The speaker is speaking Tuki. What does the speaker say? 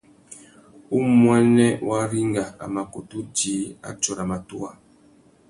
Umuênê Waringa a mà kutu djï atsôra matuwa.